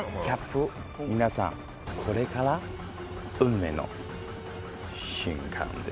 皆さんこれから運命の瞬間です。